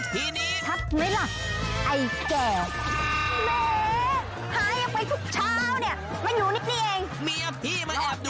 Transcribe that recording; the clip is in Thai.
มีพี่มาอาบดูงานนี้อยู่ไม่ได้แล้วแหละครับ